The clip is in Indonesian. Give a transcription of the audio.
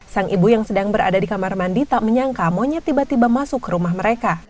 sang ibu yang sedang berada di kamar mandi tak menyangka monyet tiba tiba masuk ke rumah mereka